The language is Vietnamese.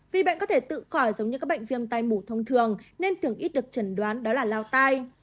vì bệnh có thể tự khỏi giống như các bệnh viêm tai mủ thông thường nên thường ít được chẩn đoán đó là lao tai